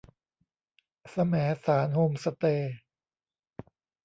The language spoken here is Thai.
แสมสารโฮมสเตย์